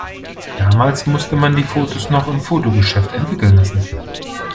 Damals musste man die Fotos noch im Fotogeschäft entwickeln lassen.